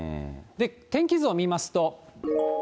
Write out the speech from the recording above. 天気図を見ますと。